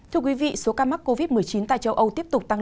thưa quý vị số ca mắc covid một mươi chín tại châu âu tiếp tục tăng